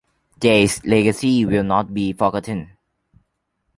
Jay's legacy will not be forgotten.